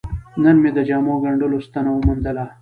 نن مې د جامو ګنډلو ستنه وموندله.